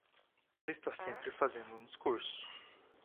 Ele está sempre fazendo um discurso.